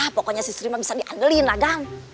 pokoknya sri mah bisa diadelin agan